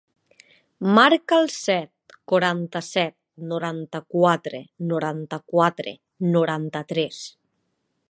Marca el set, quaranta-set, noranta-quatre, noranta-quatre, noranta-tres.